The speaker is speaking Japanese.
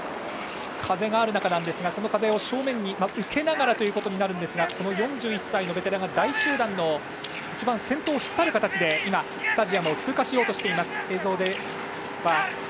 風がある中ですがその風を正面に受けながらということになるんですが４１歳のベテランが大集団の一番先頭を引っ張る形でスタジアムを通過しようとしています。